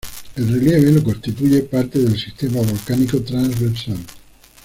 El relieve lo constituye parte del Sistema Volcánico Transversal.